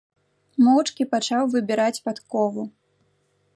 Моўчкі пачаў выбіраць падкову.